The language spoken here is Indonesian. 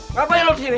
ngapain lo disini